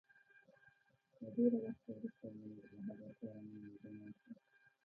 له ډېره وخته وروسته مي له هغه سره مي ليدنه وشوه